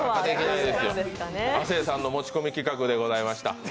亜生さんの持ち込み企画でございました。